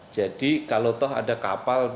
jadi kalau ada kapal